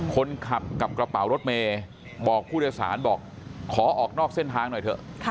คนขับกับกระเป๋ารถเมย์บอกผู้โดยสารบอกขอออกนอกเส้นทางหน่อยเถอะ